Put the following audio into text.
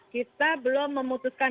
kita belum memutuskan